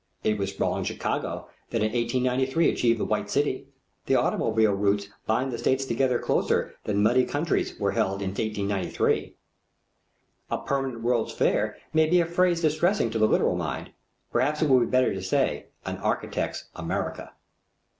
It was sprawling Chicago that in 1893 achieved the White City. The automobile routes bind the states together closer than muddy counties were held in 1893. A "Permanent World's Fair" may be a phrase distressing to the literal mind. Perhaps it would be better to say "An Architect's America."